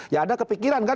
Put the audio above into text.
ya ada kepikiran kan